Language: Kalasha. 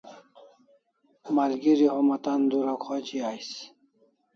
Malgeri homa tan dura khoji ais